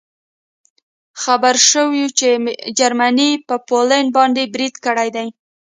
خبر شوو چې جرمني په پولنډ باندې برید کړی دی